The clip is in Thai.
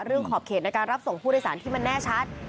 ขอบเขตในการรับส่งผู้โดยสารที่มันแน่ชัด